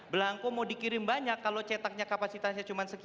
belangkul mau dikirim banyak kalau cetaknya kapasitasnya sekian ratus per hari